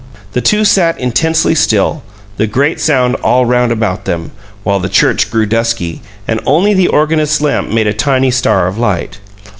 The two sat intensely still, the great sound all round about them, while the church grew dusky, and only the organist's lamp made a tiny star of light.